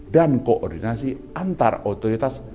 dan koordinasi antar otoritas